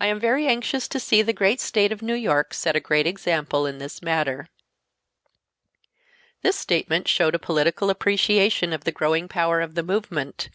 I am very anxious to see the great state of New York set a great example in this matter." This statement showed a political appreciation of the growing power of the movement.